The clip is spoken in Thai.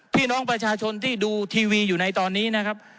พี่น้องประชาชนที่ดูทีวีอยู่ในตอนนี้นะครับ